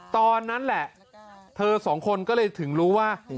ตอนนั้นแหละเธอสองคนก็เลยถึงรู้ว่า